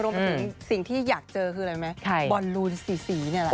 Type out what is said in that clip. ไปถึงสิ่งที่อยากเจอคืออะไรไหมบอลลูนสีเนี่ยแหละ